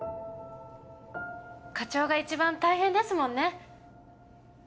課長が一番大変ですもんね。